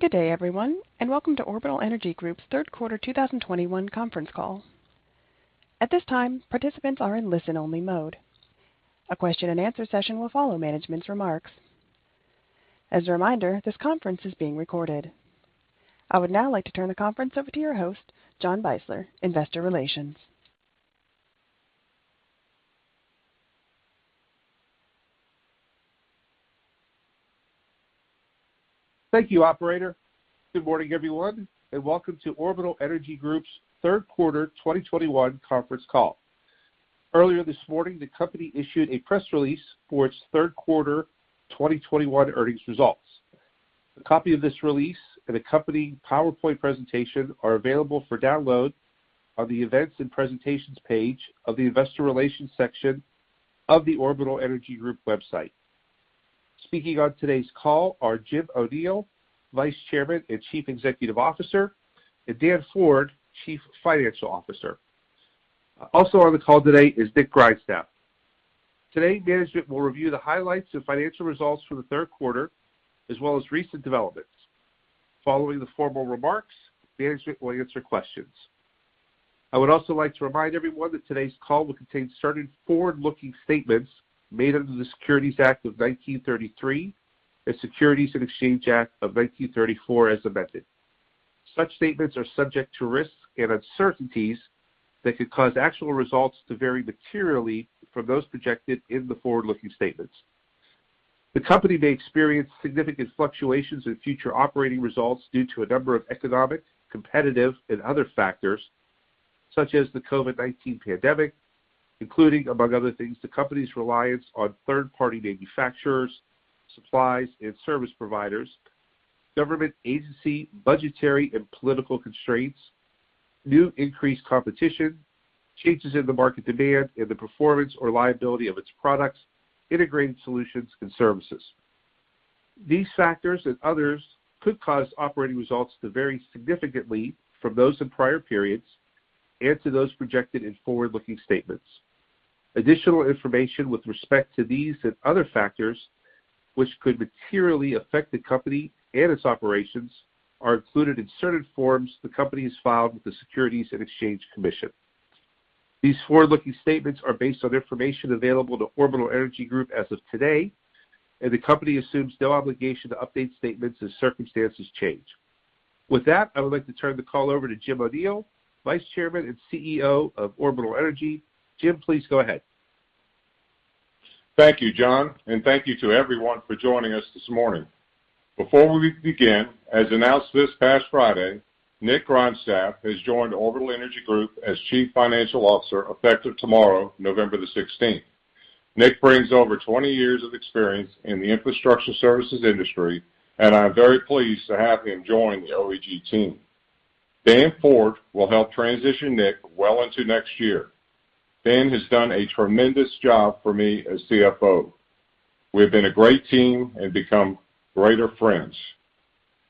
Good day, everyone, and welcome to Orbital Energy Group's Third Quarter 2021 Conference Call. At this time, participants are in listen-only mode. A question and answer session will follow management's remarks. As a reminder, this conference is being recorded. I would now like to turn the conference over to your host, John Beisler, Investor Relations. Thank you, operator. Good morning, everyone, and welcome to Orbital Energy Group's Third Quarter 2021 Conference Call. Earlier this morning, the company issued a press release for its third quarter 2021 earnings results. A copy of this release and accompanying PowerPoint presentation are available for download on the events and presentations page of the investor relations section of the Orbital Energy Group website. Speaking on today's call are Jim O'Neil, Vice Chairman and Chief Executive Officer, and Dan Ford, Chief Financial Officer. Also on the call today is Nick Grindstaff. Today, management will review the highlights and financial results for the third quarter, as well as recent developments. Following the formal remarks, management will answer questions. I would also like to remind everyone that today's call will contain certain forward-looking statements made under the Securities Act of 1933 and Securities Exchange Act of 1934, as amended. Such statements are subject to risks and uncertainties that could cause actual results to vary materially from those projected in the forward-looking statements. The company may experience significant fluctuations in future operating results due to a number of economic, competitive, and other factors such as the COVID-19 pandemic, including, among other things, the company's reliance on third-party manufacturers, suppliers, and service providers, government agency, budgetary and political constraints, new increased competition, changes in the market demand, and the performance or liability of its products, integrated solutions and services. These factors and others could cause operating results to vary significantly from those in prior periods and to those projected in forward-looking statements. Additional information with respect to these and other factors which could materially affect the company and its operations are included in certain forms the company has filed with the Securities and Exchange Commission. These forward-looking statements are based on information available to Orbital Energy Group as of today, and the company assumes no obligation to update statements as circumstances change. With that, I would like to turn the call over to Jim O'Neil, Vice Chairman and CEO of Orbital Energy. Jim, please go ahead. Thank you, John, and thank you to everyone for joining us this morning. Before we begin, as announced this past Friday, Nick Grindstaff has joined Orbital Energy Group as Chief Financial Officer, effective tomorrow, November the 16th. Nick brings over 20 years of experience in the infrastructure services industry, and I'm very pleased to have him join the OEG team. Dan Ford will help transition Nick well into next year. Dan has done a tremendous job for me as CFO. We have been a great team and become greater friends.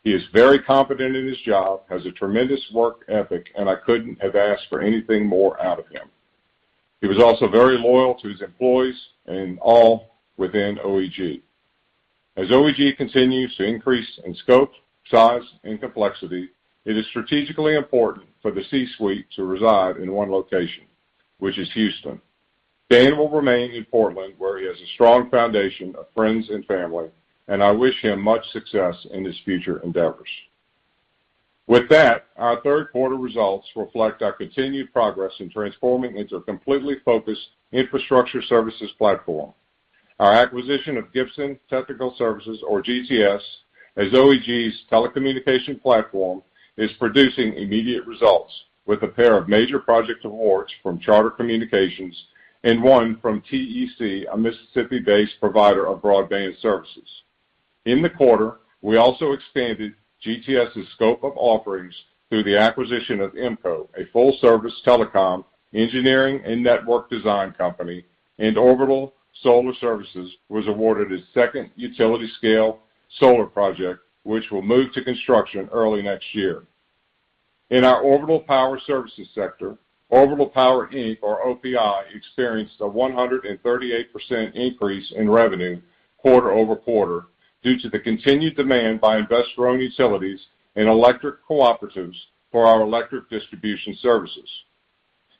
He is very competent in his job, has a tremendous work ethic, and I couldn't have asked for anything more out of him. He was also very loyal to his employees and all within OEG. As OEG continues to increase in scope, size, and complexity, it is strategically important for the C-suite to reside in one location, which is Houston. Dan will remain in Portland, where he has a strong foundation of friends and family, and I wish him much success in his future endeavors. With that, our third quarter results reflect our continued progress in transforming into a completely focused infrastructure services platform. Our acquisition of Gibson Technical Services, or GTS, as OEG's telecommunication platform, is producing immediate results with a pair of major project awards from Charter Communications and one from TEC, a Mississippi-based provider of broadband services. In the quarter, we also expanded GTS's scope of offerings through the acquisition of IMMCO, a full-service telecom engineering and network design company, and Orbital Solar Services was awarded a second utility-scale solar project, which will move to construction early next year. In our Orbital Power Services sector, Orbital Power Inc., or OPI, experienced a 138% increase in revenue quarter-over-quarter due to the continued demand by investor-owned utilities and electric cooperatives for our electric distribution services.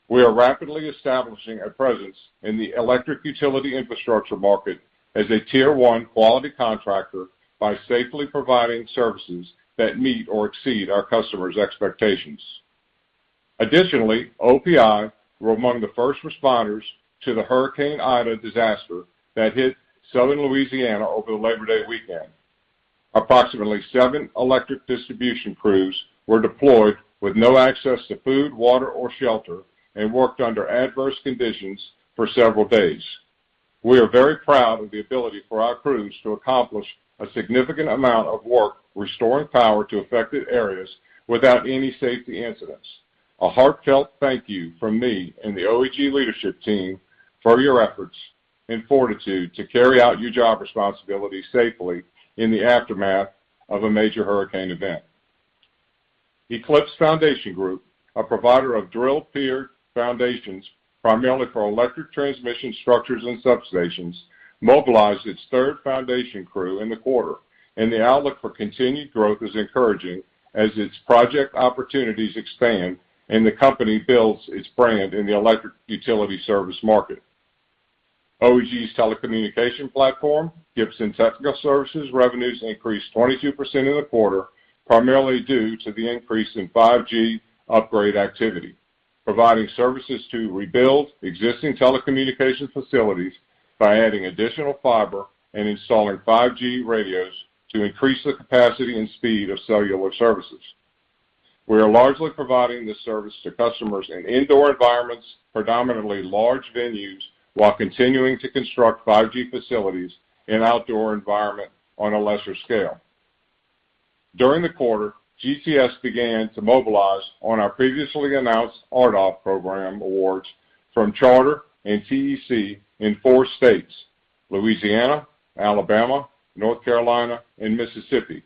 We are rapidly establishing a presence in the electric utility infrastructure market as a tier one quality contractor by safely providing services that meet or exceed our customers' expectations. Additionally, OPI were among the first responders to the Hurricane Ida disaster that hit Southern Louisiana over the Labor Day weekend. Approximately seven electric distribution crews were deployed with no access to food, water, or shelter and worked under adverse conditions for several days. We are very proud of the ability for our crews to accomplish a significant amount of work restoring power to affected areas without any safety incidents. A heartfelt thank you from me and the OEG leadership team for your efforts and fortitude to carry out your job responsibilities safely in the aftermath of a major hurricane event. Eclipse Foundation Group, a provider of drilled shaft foundations primarily for electric transmission structures and substations, mobilized its third foundation crew in the quarter, and the outlook for continued growth is encouraging as its project opportunities expand and the company builds its brand in the electric utility service market. OEG's telecommunication platform, Gibson Technical Services, revenues increased 22% in the quarter, primarily due to the increase in 5G upgrade activity, providing services to rebuild existing telecommunications facilities by adding additional fiber and installing 5G radios to increase the capacity and speed of cellular services. We are largely providing this service to customers in indoor environments, predominantly large venues, while continuing to construct 5G facilities in outdoor environments on a lesser scale. During the quarter, GTS began to mobilize on our previously announced RDOF program awards from Charter and CEC in four states, Louisiana, Alabama, North Carolina, and Mississippi.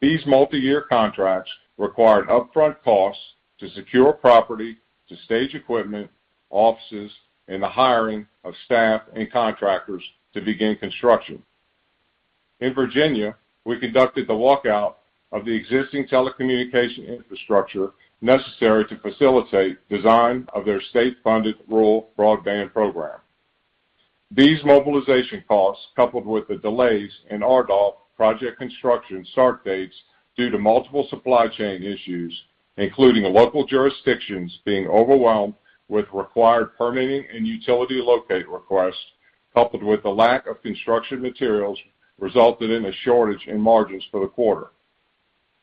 These multiyear contracts required upfront costs to secure property, to stage equipment, offices, and the hiring of staff and contractors to begin construction. In Virginia, we conducted the walkout of the existing telecommunications infrastructure necessary to facilitate design of their state-funded rural broadband program. These mobilization costs, coupled with the delays in RDOF project construction start dates due to multiple supply chain issues, including the local jurisdictions being overwhelmed with required permitting and utility locate requests, coupled with the lack of construction materials, resulted in a shortage in margins for the quarter.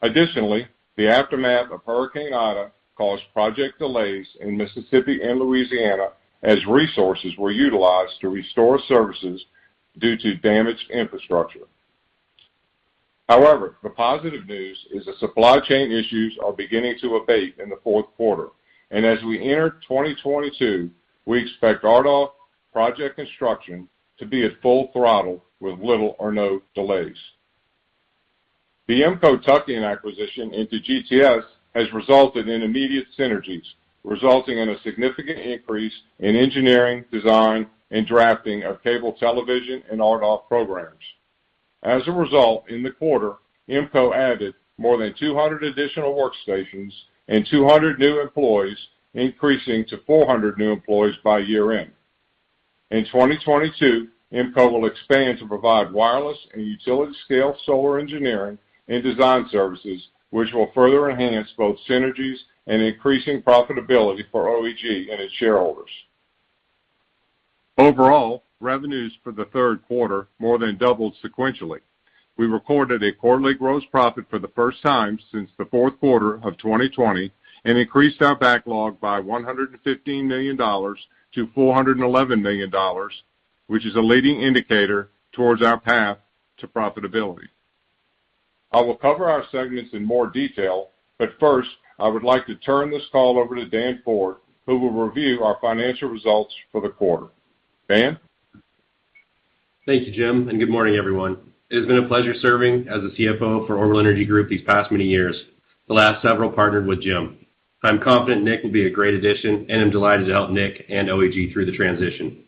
Additionally, the aftermath of Hurricane Ida caused project delays in Mississippi and Louisiana as resources were utilized to restore services due to damaged infrastructure. However, the positive news is that supply chain issues are beginning to abate in the fourth quarter. As we enter 2022, we expect RDOF project construction to be at full throttle with little or no delays. The IMMCO tuck-in acquisition into GTS has resulted in immediate synergies, resulting in a significant increase in engineering, design, and drafting of cable television and RDOF programs. As a result, in the quarter, IMMCO added more than 200 additional workstations and 200 new employees, increasing to 400 new employees by year-end. In 2022, IMMCO will expand to provide wireless and utility-scale solar engineering and design services, which will further enhance both synergies and increasing profitability for OEG and its shareholders. Overall, revenues for the third quarter more than doubled sequentially. We recorded a quarterly gross profit for the first time since the fourth quarter of 2020 and increased our backlog by $115 million-$411 million, which is a leading indicator towards our path to profitability. I will cover our segments in more detail, but first, I would like to turn this call over to Dan Ford, who will review our financial results for the quarter. Dan? Thank you, Jim, and good morning, everyone. It has been a pleasure serving as a CFO for Orbital Energy Group these past many years, the last several partnered with Jim. I'm confident Nick will be a great addition, and I'm delighted to help Nick and OEG through the transition.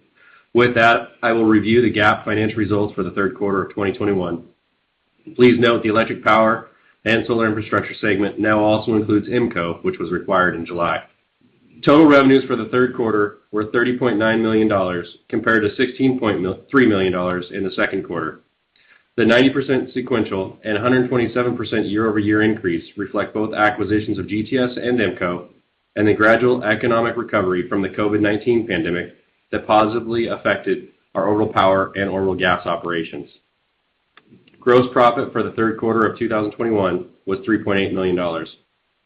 With that, I will review the GAAP financial results for the third quarter of 2021. Please note the electric power and solar infrastructure segment now also includes IMMCO, which was acquired in July. Total revenues for the third quarter were $30.9 million compared to $16.3 million in the second quarter. The 90% sequential and 127% year-over-year increase reflect both acquisitions of GTS and IMMCO and the gradual economic recovery from the COVID-19 pandemic that positively affected our Orbital Power and Orbital Gas operations. Gross profit for the third quarter of 2021 was $3.8 million.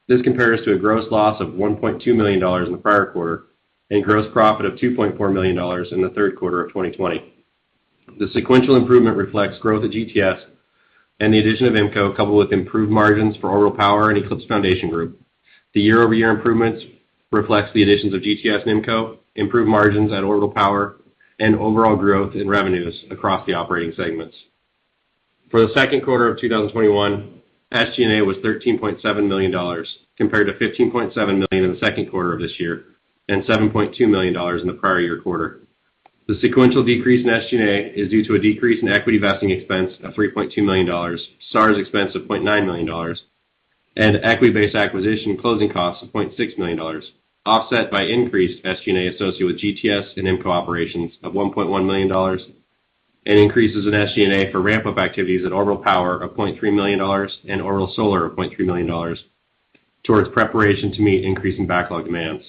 This compares to a gross loss of $1.2 million in the prior quarter and gross profit of $2.4 million in the third quarter of 2020. The sequential improvement reflects growth at GTS and the addition of IMMCO, coupled with improved margins for Orbital Power and Eclipse Foundation Group. The year-over-year improvements reflects the additions of GTS and IMMCO, improved margins at Orbital Power, and overall growth in revenues across the operating segments. For the second quarter of 2021, SG&A was $13.7 million compared to $15.7 million in the second quarter of this year and $7.2 million in the prior year quarter. The sequential decrease in SG&A is due to a decrease in equity vesting expense of $3.2 million, SARs expense of $0.9 million, and equity-based acquisition closing costs of $0.6 million, offset by increased SG&A associated with GTS and IMMCO operations of $1.1 million and increases in SG&A for ramp-up activities at Orbital Power of $0.3 million and Orbital Solar of $0.3 million towards preparation to meet increasing backlog demands.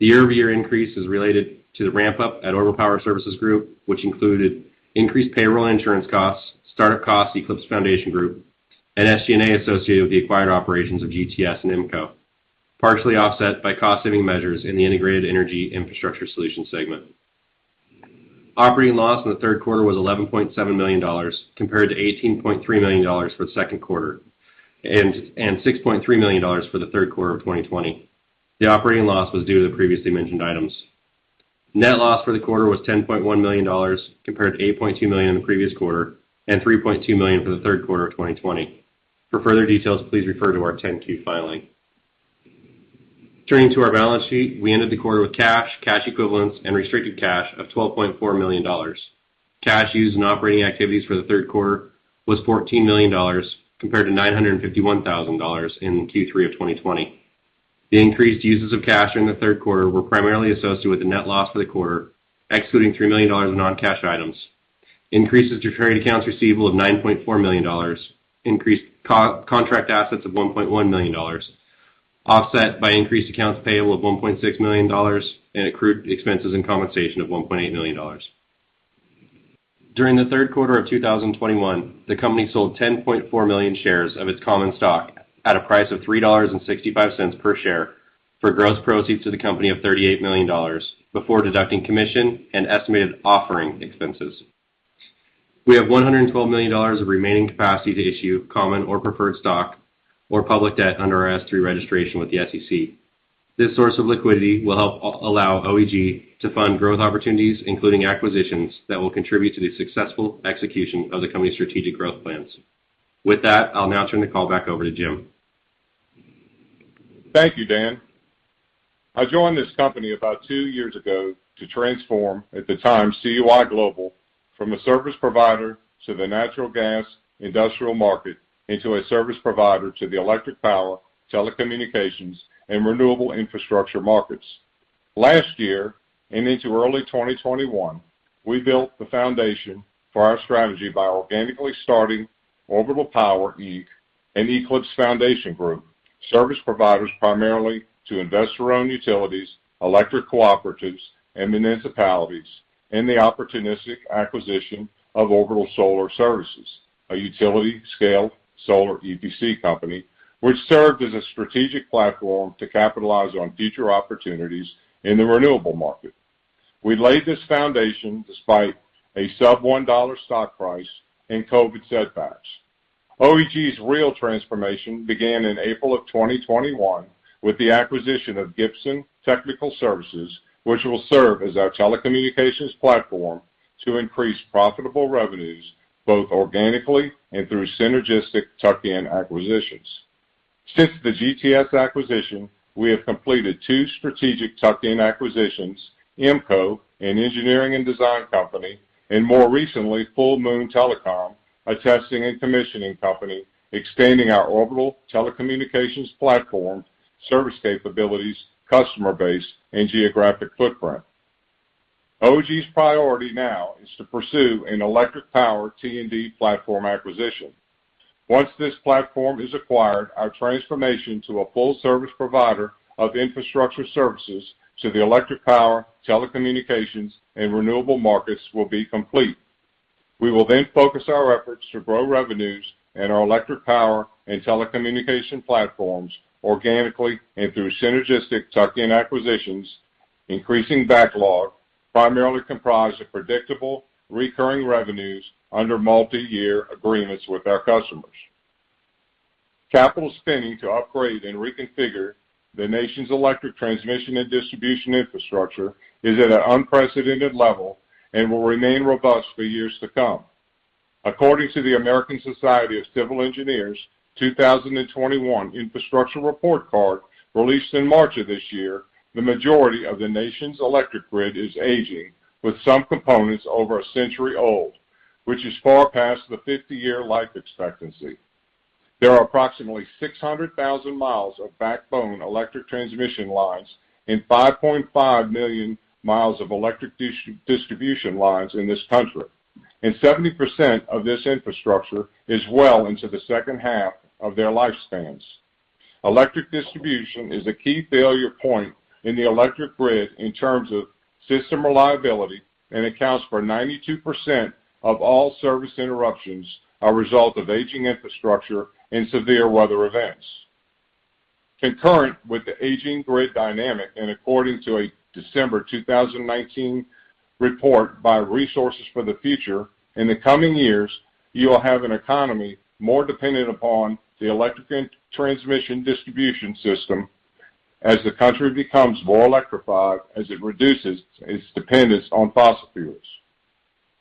The year-over-year increase is related to the ramp-up at Orbital Power Services Group, which included increased payroll and insurance costs, start-up costs at Eclipse Foundation Group, and SG&A associated with the acquired operations of GTS and IMMCO, partially offset by cost-saving measures in the Integrated Energy Infrastructure Solutions segment. Operating loss in the third quarter was $11.7 million compared to $18.3 million for the second quarter and $6.3 million for the third quarter of 2020. The operating loss was due to the previously mentioned items. Net loss for the quarter was $10.1 million compared to $8.2 million in the previous quarter and $3.2 million for the third quarter of 2020. For further details, please refer to our 10-Q filing. Turning to our balance sheet, we ended the quarter with cash equivalents and restricted cash of $12.4 million. Cash used in operating activities for the third quarter was $14 million compared to $951,000 in Q3 of 2020. The increased uses of cash during the third quarter were primarily associated with the net loss for the quarter, excluding $3 million in non-cash items. Increases to trade accounts receivable of $9.4 million. Increased contract assets of $1.1 million, offset by increased accounts payable of $1.6 million and accrued expenses and compensation of $1.8 million. During the third quarter of 2021, the company sold 10.4 million shares of its common stock at a price of $3.65 per share for gross proceeds to the company of $38 million before deducting commission and estimated offering expenses. We have $112 million of remaining capacity to issue common or preferred stock or public debt under our S-3 registration with the SEC. This source of liquidity will help allow OEG to fund growth opportunities, including acquisitions that will contribute to the successful execution of the company's strategic growth plans. With that, I'll now turn the call back over to Jim. Thank you, Dan. I joined this company about two years ago to transform, at the time, CUI Global from a service provider to the natural gas industrial market into a service provider to the electric power, telecommunications, and renewable infrastructure markets. Last year and into early 2021, we built the foundation for our strategy by organically starting Orbital Power Inc. and Eclipse Foundation Group, service providers primarily to investor-owned utilities, electric cooperatives, and municipalities, and the opportunistic acquisition of Orbital Solar Services, a utility-scale solar EPC company which served as a strategic platform to capitalize on future opportunities in the renewable market. We laid this foundation despite a sub-$1 stock price and COVID setbacks. OEG's real transformation began in April 2021 with the acquisition of Gibson Technical Services, which will serve as our telecommunications platform to increase profitable revenues both organically and through synergistic tuck-in acquisitions. Since the GTS acquisition, we have completed two strategic tuck-in acquisitions, IMMCO, an engineering and design company, and more recently, Full Moon Telecom, a testing and commissioning company, expanding our Orbital telecommunications platform, service capabilities, customer base, and geographic footprint. OEG's priority now is to pursue an electric power T&D platform acquisition. Once this platform is acquired, our transformation to a full service provider of infrastructure services to the electric power, telecommunications, and renewable markets will be complete. We will then focus our efforts to grow revenues in our electric power and telecommunication platforms organically and through synergistic tuck-in acquisitions, increasing backlog primarily comprised of predictable recurring revenues under multi-year agreements with our customers. Capital spending to upgrade and reconfigure the nation's electric transmission and distribution infrastructure is at an unprecedented level and will remain robust for years to come. According to the American Society of Civil Engineers 2021 infrastructure report card released in March of this year, the majority of the nation's electric grid is aging, with some components over a century old, which is far past the 50-year life expectancy. There are approximately 600,000 mi of backbone electric transmission lines and 5.5 million mi of electric distribution lines in this country, and 70% of this infrastructure is well into the second half of their lifespans. Electric distribution is a key failure point in the electric grid in terms of system reliability and accounts for 92% of all service interruptions, which are a result of aging infrastructure and severe weather events. Concurrent with the aging grid dynamic and according to a December 2019 report by Resources for the Future, in the coming years, you will have an economy more dependent upon the electric transmission distribution system as the country becomes more electrified as it reduces its dependence on fossil fuels.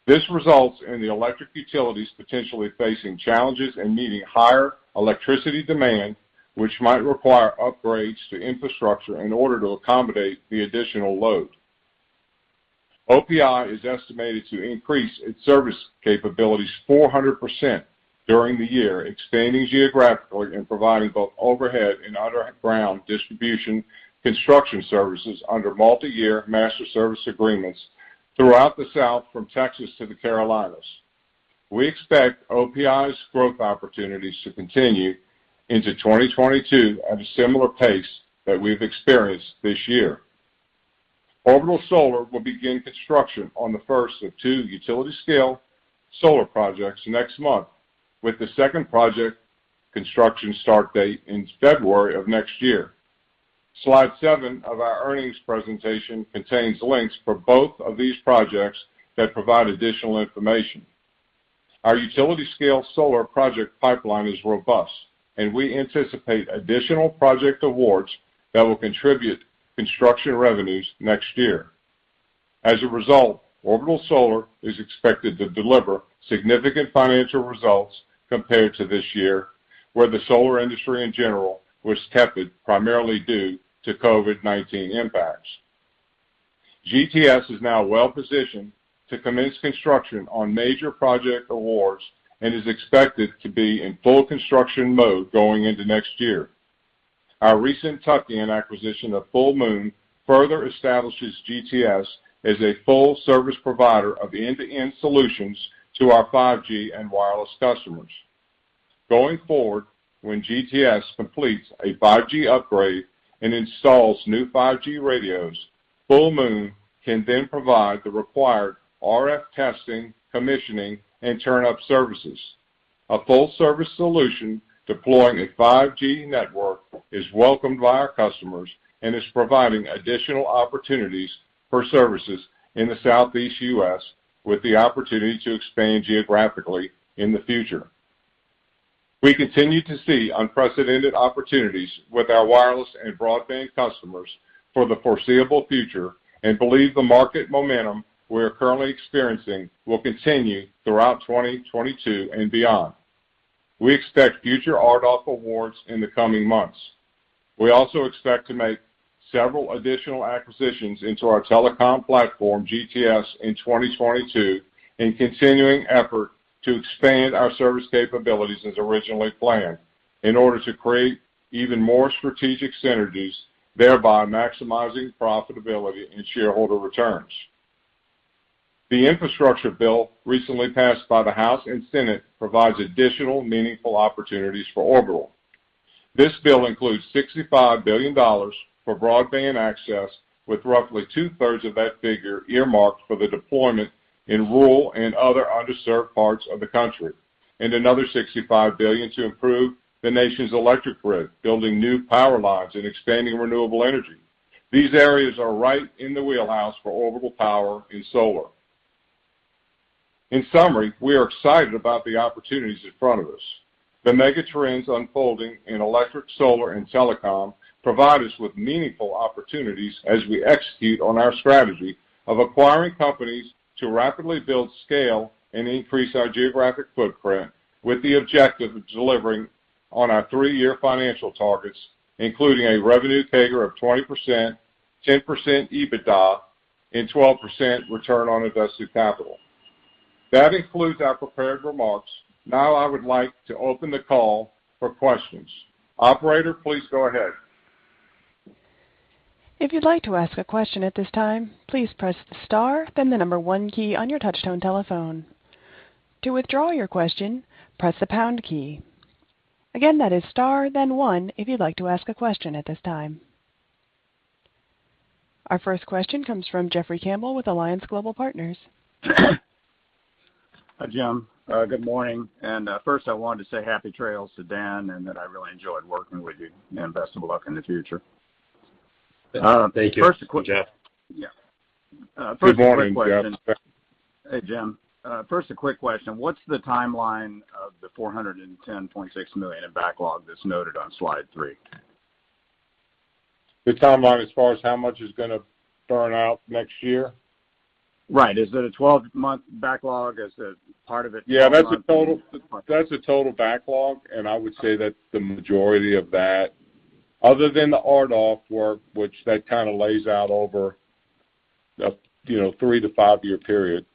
This results in the electric utilities potentially facing challenges in meeting higher electricity demand, which might require upgrades to infrastructure in order to accommodate the additional load. OPI is estimated to increase its service capabilities 400% during the year, expanding geographically and providing both overhead and underground distribution construction services under multi-year master service agreements throughout the South from Texas to the Carolinas. We expect OPI's growth opportunities to continue into 2022 at a similar pace that we've experienced this year. Orbital Solar will begin construction on the first of two utility-scale solar projects next month, with the second project construction start date in February of next year. Slide seven of our earnings presentation contains links for both of these projects that provide additional information. Our utility-scale solar project pipeline is robust and we anticipate additional project awards that will contribute construction revenues next year. As a result, Orbital Solar is expected to deliver significant financial results compared to this year, where the solar industry in general was tepid, primarily due to COVID-19 impacts. GTS is now well-positioned to commence construction on major project awards and is expected to be in full construction mode going into next year. Our recent tuck-in acquisition of Full Moon further establishes GTS as a full-service provider of end-to-end solutions to our 5G and wireless customers. Going forward, when GTS completes a 5G upgrade and installs new 5G radios, Full Moon can then provide the required RF testing, commissioning, and turn up services. A full service solution deploying a 5G network is welcomed by our customers and is providing additional opportunities for services in the Southeast U.S., with the opportunity to expand geographically in the future. We continue to see unprecedented opportunities with our wireless and broadband customers for the foreseeable future, and believe the market momentum we are currently experiencing will continue throughout 2022 and beyond. We expect future RDOF awards in the coming months. We also expect to make several additional acquisitions into our telecom platform, GTS, in 2022, in continuing effort to expand our service capabilities as originally planned in order to create even more strategic synergies, thereby maximizing profitability and shareholder returns. The infrastructure bill recently passed by the House and Senate provides additional meaningful opportunities for Orbital. This bill includes $65 billion for broadband access, with roughly 2/3 of that figure earmarked for the deployment in rural and other underserved parts of the country, and another $65 billion to improve the nation's electric grid, building new power lines and expanding renewable energy. These areas are right in the wheelhouse for Orbital Power and Solar. In summary, we are excited about the opportunities in front of us. The mega trends unfolding in electric, solar, and telecom provide us with meaningful opportunities as we execute on our strategy of acquiring companies to rapidly build scale and increase our geographic footprint with the objective of delivering on our three-year financial targets, including a revenue CAGR of 20%, 10% EBITDA, and 12% return on invested capital. That concludes our prepared remarks. Now I would like to open the call for questions. Operator, please go ahead. Our first question comes from Jeffrey Campbell with Alliance Global Partners. Hi, Jim. Good morning. First I wanted to say happy trails to Dan, and that I really enjoyed working with you, and best of luck in the future. Oh, thank you, Jeff. Yeah. Good morning, Jeff. First a quick question. Hey, Jim. What's the timeline of the $410.6 million in backlog that's noted on slide three? The timeline as far as how much is gonna burn out next year? Right. Is it a 12-month backlog? Is it part of it? Yeah, that's a total backlog, and I would say that the majority of that, other than the RDOF work, which kind of lays out over a, you know, three to five-year period.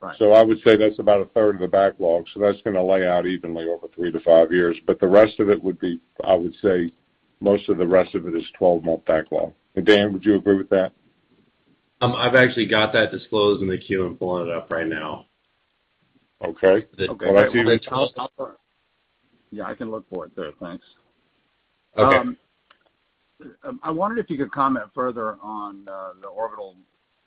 Right. I would say that's about a third of the backlog, so that's gonna lay out evenly over three to five years. The rest of it would be, I would say most of the rest of it is 12-month backlog. Dan, would you agree with that? I've actually got that disclosed in the Q and pulling it up right now. Okay. Well, I see. Yeah, I can look for it there. Thanks. Okay. I wondered if you could comment further on the Orbital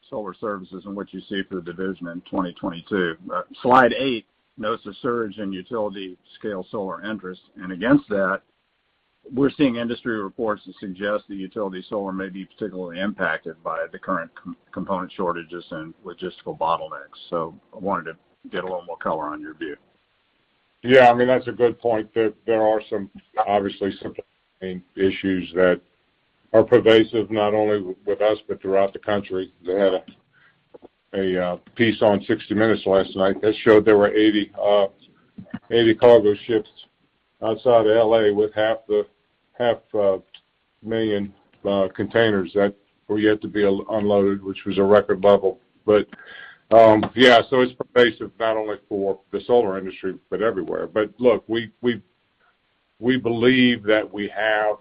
Solar Services and what you see for the division in 2022. Slide eight notes a surge in utility-scale solar interest, and against that, we're seeing industry reports that suggest the utility-scale solar may be particularly impacted by the current component shortages and logistical bottlenecks. I wanted to get a little more color on your view. Yeah, I mean that's a good point. There are some obviously some issues that are pervasive not only with us, but throughout the country. They had a piece on 60 Minutes last night that showed there were 80 cargo ships outside of L.A. with 500,000 containers that were yet to be unloaded, which was a record level. It's pervasive not only for the solar industry, but everywhere. Look, we believe that we have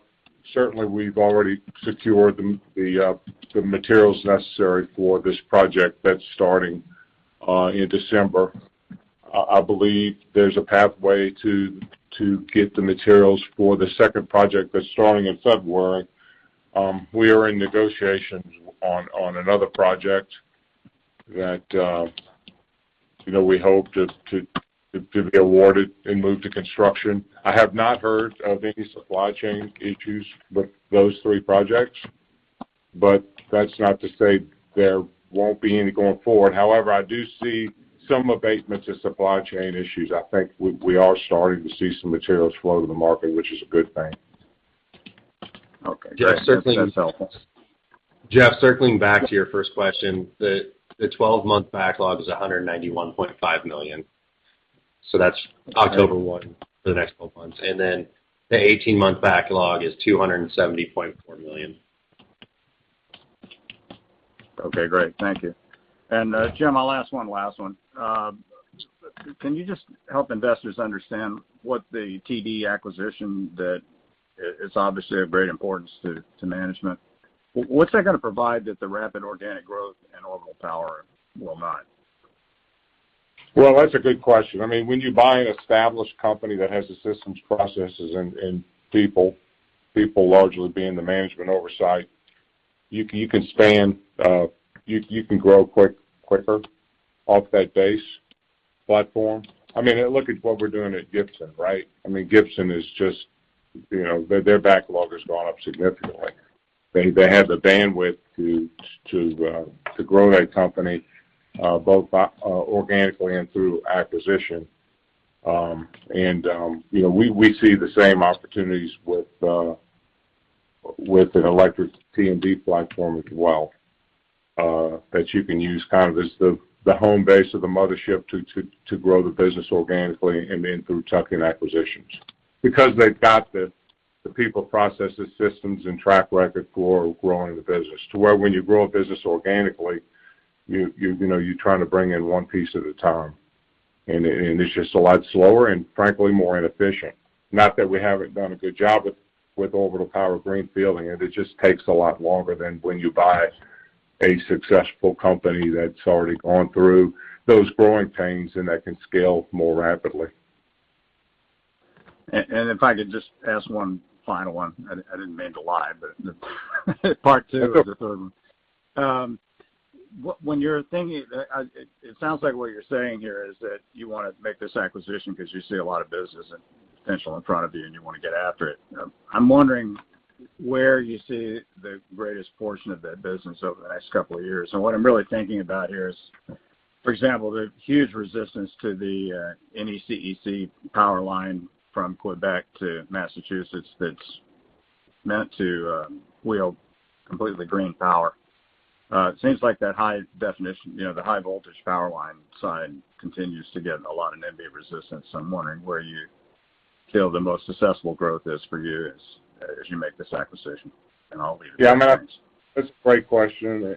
certainly we've already secured the materials necessary for this project that's starting in December. I believe there's a pathway to get the materials for the second project that's starting in February. We are in negotiations on another project that we hope to be awarded and move to construction. I have not heard of any supply chain issues with those three projects. That's not to say there won't be any going forward. However, I do see some abatements of supply chain issues. I think we are starting to see some materials flow to the market, which is a good thing. Okay. That's helpful. Jeff, circling back to your first question, the 12-month backlog is $191.5 million. That's October 1 for the next 12 months. Then the 18-month backlog is $270.4 million. Okay, great. Thank you. Jim, my last one. Can you just help investors understand what the T&D acquisition that is obviously of great importance to management. What's that gonna provide that the rapid organic growth in Orbital Power will not? Well, that's a good question. I mean, when you buy an established company that has the systems, processes, and people largely being the management oversight, you can grow quicker off that base platform. I mean, look at what we're doing at Gibson, right? I mean, Gibson is just, you know. Their backlog has gone up significantly. They have the bandwidth to grow that company both organically and through acquisition. You know, we see the same opportunities with an electric T&D platform as well, that you can use kind of as the home base of the mothership to grow the business organically and then through tuck-in acquisitions. Because they've got the people, processes, systems, and track record for growing the business. To where when you grow a business organically, you know, you're trying to bring in one piece at a time. It's just a lot slower and frankly, more inefficient. Not that we haven't done a good job with Orbital Power greenfielding, it just takes a lot longer than when you buy a successful company that's already gone through those growing pains, and that can scale more rapidly. If I could just ask one final one. I didn't mean to lie, but part two of the third one. When you're thinking. It sounds like what you're saying here is that you wanna make this acquisition 'cause you see a lot of business and potential in front of you, and you wanna get after it. I'm wondering where you see the greatest portion of that business over the next couple of years. What I'm really thinking about here is, for example, the huge resistance to the NECEC power line from Quebec to Massachusetts that's meant to wheel completely green power. It seems like that high-tension, you know, the high voltage power line side continues to get a lot of NIMBY resistance. I'm wondering where you feel the most successful growth is for you as you make this acquisition. I'll leave it at that. Yeah. I mean, that's a great question.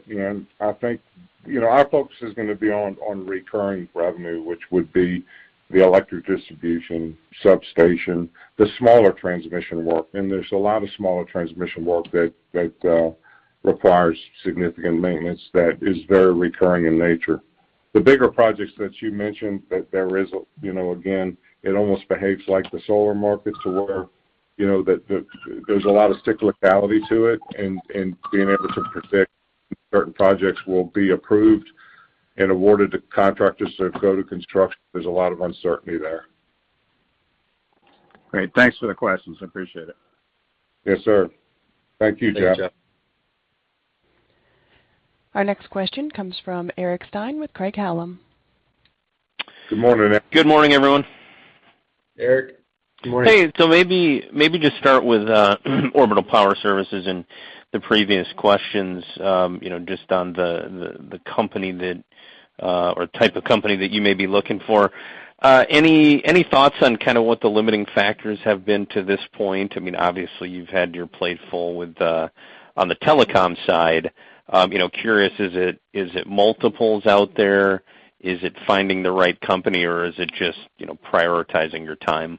I think, you know, our focus is gonna be on recurring revenue, which would be the electric distribution substation, the smaller transmission work. There's a lot of smaller transmission work that requires significant maintenance that is very recurring in nature. The bigger projects that you mentioned, there is, you know, again, it almost behaves like the solar market too, where, you know, there's a lot of locality to it and being able to predict certain projects will be approved and awarded to contractors to go to construction. There's a lot of uncertainty there. Great. Thanks for the questions. I appreciate it. Yes, sir. Thank you, Jeff. Thanks, Jeff. Our next question comes from Eric Stine with Craig-Hallum. Good morning, Eric. Good morning, everyone. Eric, good morning. Hey, maybe just start with Orbital Power Services and the previous questions, you know, just on the company or type of company that you may be looking for. Any thoughts on kind of what the limiting factors have been to this point? I mean, obviously, you've had your plate full with on the telecom side. You know, curious, is it multiples out there? Is it finding the right company, or is it just prioritizing your time?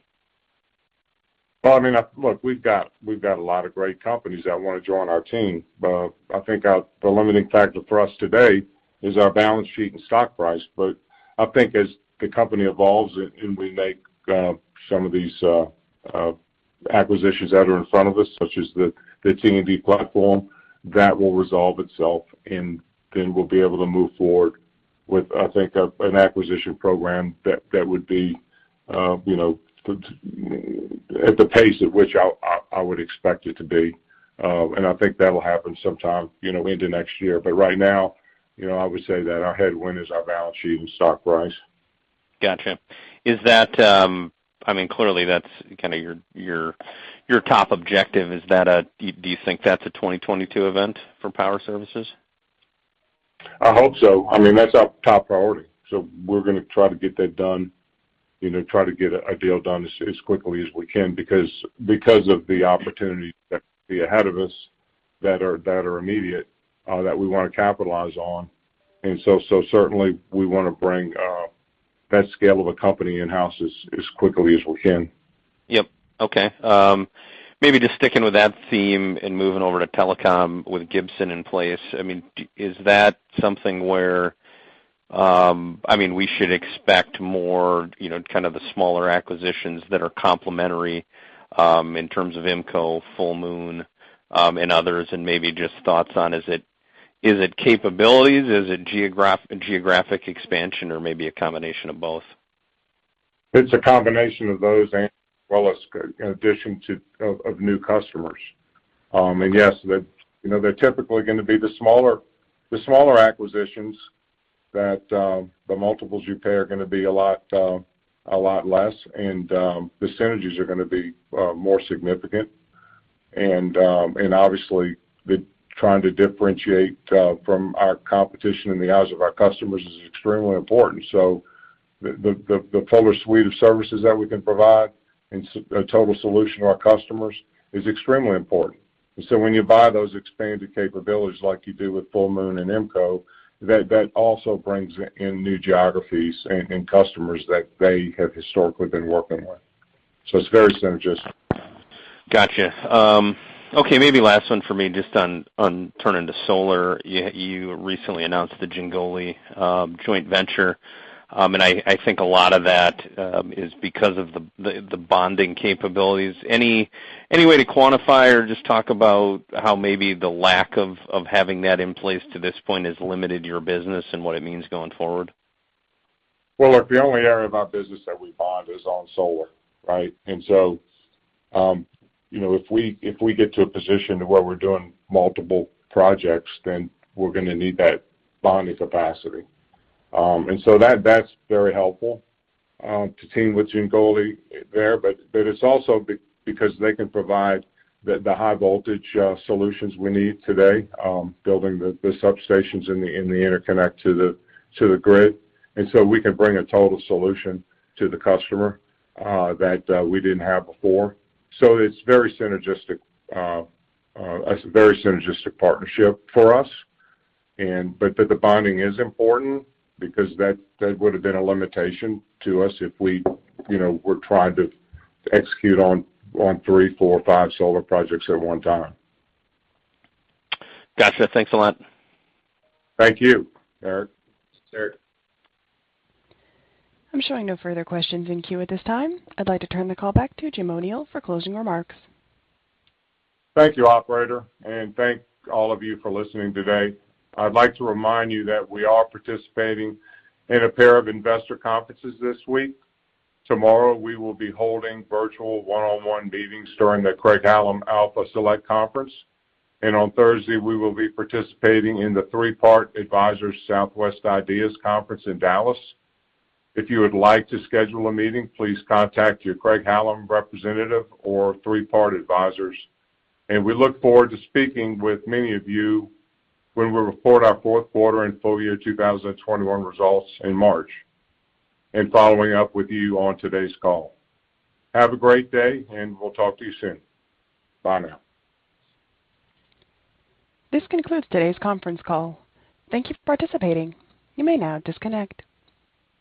Well, I mean, look, we've got a lot of great companies that wanna join our team. I think our the limiting factor for us today is our balance sheet and stock price. I think as the company evolves and we make some of these acquisitions that are in front of us, such as the T&D platform, that will resolve itself, and then we'll be able to move forward with I think an acquisition program that would be, you know, at the pace at which I would expect it to be. I think that'll happen sometime, you know, into next year. Right now, you know, I would say that our headwind is our balance sheet and stock price. Gotcha. Is that, I mean, clearly, that's kinda your top objective. Do you think that's a 2022 event for Power Services? I hope so. I mean, that's our top priority. We're gonna try to get that done, you know, try to get a deal done as quickly as we can because of the opportunities that could be ahead of us that are immediate, that we wanna capitalize on. Certainly, we wanna bring that scale of a company in-house as quickly as we can. Yep. Okay. Maybe just sticking with that theme and moving over to telecom with Gibson in place. I mean, is that something where, I mean, we should expect more, you know, kind of the smaller acquisitions that are complementary, in terms of IMMCO, Full Moon, and others? Maybe just thoughts on is it, is it capabilities? Is it geographic expansion or maybe a combination of both? It's a combination of those and well, as in addition to of new customers. And yes, you know, they're typically gonna be the smaller acquisitions that the multiples you pay are gonna be a lot less, and the synergies are gonna be more significant. And obviously trying to differentiate from our competition in the eyes of our customers is extremely important. So the fuller suite of services that we can provide in a total solution to our customers is extremely important. And so when you buy those expanded capabilities like you do with Full Moon and IMMCO, that also brings in new geographies and customers that they have historically been working with. So it's very synergistic. Gotcha. Okay, maybe last one for me, just on turning to solar. You recently announced the Jingoli joint venture. I think a lot of that is because of the bonding capabilities. Any way to quantify or just talk about how maybe the lack of having that in place to this point has limited your business and what it means going forward? Well, look, the only area of our business that we bond is on solar, right? You know, if we get to a position where we're doing multiple projects, then we're gonna need that bonding capacity. That's very helpful to team with Jingoli there, but it's also because they can provide the high voltage solutions we need today, building the substations and the interconnect to the grid. We can bring a total solution to the customer that we didn't have before. It's very synergistic. It's a very synergistic partnership for us, but the bonding is important because that would have been a limitation to us if we, you know, were trying to execute on three, four, five solar projects at one time. Gotcha. Thanks a lot. Thank you, Eric. Sure. I'm showing no further questions in queue at this time. I'd like to turn the call back to Jim O'Neil for closing remarks. Thank you, operator. Thank all of you for listening today. I'd like to remind you that we are participating in a pair of investor conferences this week. Tomorrow, we will be holding virtual one-on-one meetings during the Craig-Hallum Alpha Select Conference. On Thursday, we will be participating in the Three Part Advisors Southwest IDEAS Conference in Dallas. If you would like to schedule a meeting, please contact your Craig-Hallum representative or Three Part Advisors. We look forward to speaking with many of you when we report our fourth quarter and full year 2021 results in March, and following up with you on today's call. Have a great day, and we'll talk to you soon. Bye now. This concludes today's conference call. Thank you for participating. You may now disconnect.